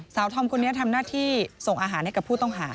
ธอมคนนี้ทำหน้าที่ส่งอาหารให้กับผู้ต้องหา